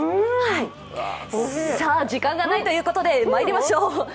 時間がないということで、まいりましょう。